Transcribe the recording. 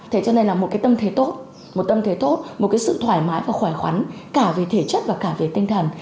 thế cho nên là một cái tâm thể tốt một cái sự thoải mái và khỏe khoắn cả về thể chất và cả về tinh thần